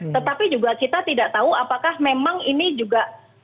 tetapi juga kita tidak tahu apakah memang ini juga